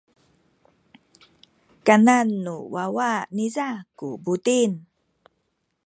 kanan nu wawa niza ku buting.